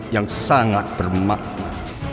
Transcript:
yang sangat bermakna